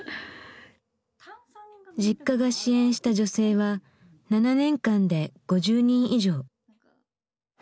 Ｊｉｋｋａが支援した女性は７年間で５０人以上。